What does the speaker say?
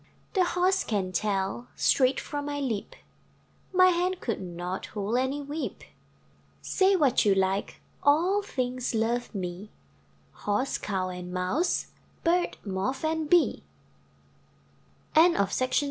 RAINBOW GOLD The Horse can tell, Straight from my lip, My hand could not Hold any whip. Say what you like, All things love me! Horse, Cow, and Mouse, Bird, Moth and Bee. William H.